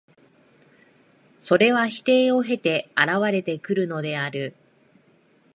それは否定を経て現れてくるのである。